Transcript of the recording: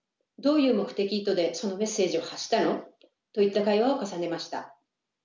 どういう目的・意図でそのメッセージを発したの？といった会話を重ねました。